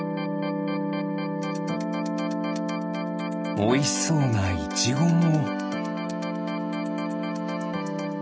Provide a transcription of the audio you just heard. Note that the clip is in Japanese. おいしそうなイチゴも。